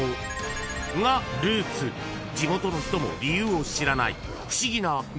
［地元の人も理由を知らない］